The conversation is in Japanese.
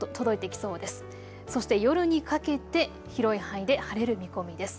そして夜にかけて広い範囲で晴れる見込みです。